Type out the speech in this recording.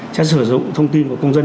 sẽ sử dụng thông tin của công dân